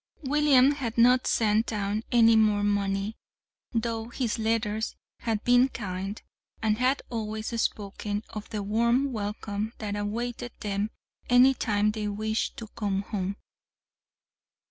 William had not sent down any more money, though his letters had been kind, and had always spoken of the warm welcome that awaited them any time they wished to come home.